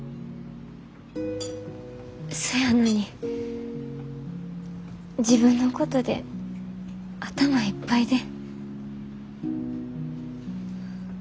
そやのに自分のことで頭いっぱいで。